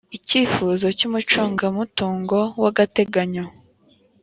icyifuzo cy’umucungamutungo w’agateganyo